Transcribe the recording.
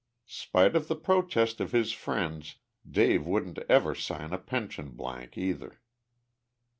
Spite of th' protests of his friends, Dave wouldn't ever sign a pension blank, either."